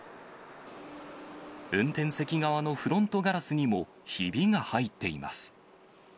運転席側のフロントガラスにも、ひびが入っています。